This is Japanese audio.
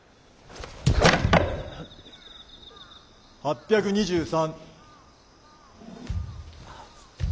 ８２３。